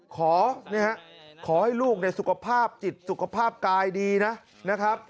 ขอให้ลูกสุขภาพจิตสุขภาพกายดีนะครับ